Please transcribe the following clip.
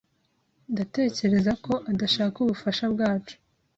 Ndatekereza ko adashaka ubufasha bwacu.